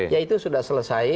yaitu sudah selesai